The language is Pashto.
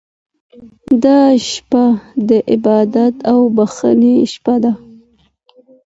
دا شپه د عبادت او بښنې شپه ده.